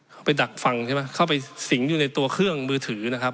ไปดักฟังใช่ไหมเข้าไปสิงอยู่ในตัวเครื่องมือถือนะครับ